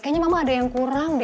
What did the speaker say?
kayaknya memang ada yang kurang